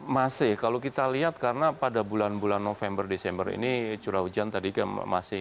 masih kalau kita lihat karena pada bulan bulan november desember ini curah hujan tadi masih